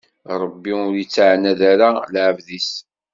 Ṛebbi ur ittɛanad ara lɛebd-is.